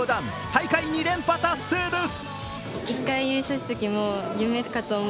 大会２連覇達成です。